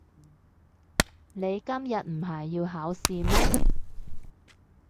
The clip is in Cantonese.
你今日唔係要考試咩？